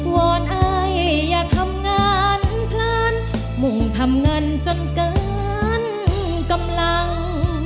อนไออย่าทำงานเพลินมุ่งทำเงินจนเกินกำลัง